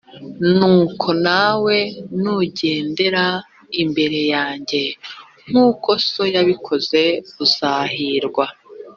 nuko nawe nugendera imbere yanjye nk uko so yabikoze uzahirwa